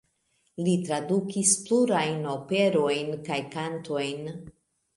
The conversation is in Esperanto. Li tradukis plurajn operojn kaj kantojn.